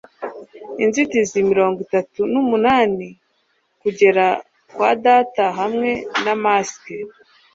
inzitizi mirongo itatu n'umunani kugera kwa data hamwe na mask